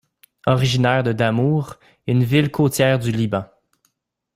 Originaires de Damour, une ville côtière du Liban.